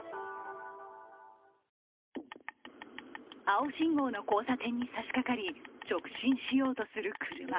青信号の交差点に差しかかり直進しようとする車。